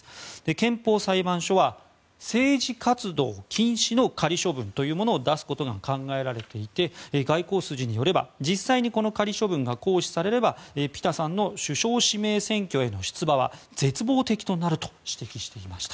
憲法裁判所は政治活動禁止の仮処分を出すことも考えられていて外交筋によれば、実際にこの仮処分が行使されればピタさんの首相指名選挙への出馬は絶望的となると指摘していました。